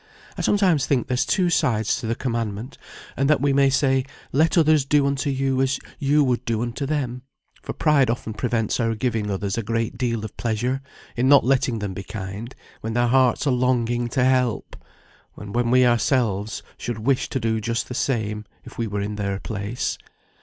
"I sometimes think there's two sides to the commandment; and that we may say, 'Let others do unto you, as you would do unto them,' for pride often prevents our giving others a great deal of pleasure, in not letting them be kind, when their hearts are longing to help; and when we ourselves should wish to do just the same, if we were in their place.